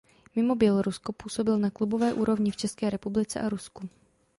Mimo Bělorusko působil na klubové úrovni v České republice a Rusku.